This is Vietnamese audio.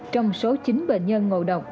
hai trong số chín bệnh nhân ngộ độc